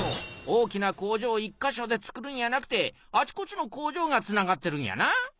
大きな工場１か所でつくるんやなくてあちこちの工場がつながってるんやな。